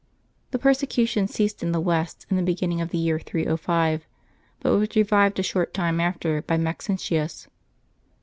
The persecution ceased in the West, in the beginning of the year 305, but was revived a short time after by Maxentius.